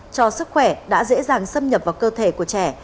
cho sức khỏe đã dễ dàng xâm nhập vào cơ thể của trẻ